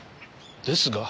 ですが？